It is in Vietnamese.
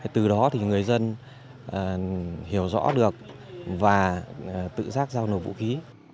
từ đó thì người dân hiểu rõ được và tự giác giao nổ vũ khí